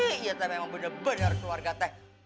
eh iya teh memang bener bener keluarga teh